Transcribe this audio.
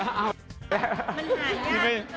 มันหายากด้วย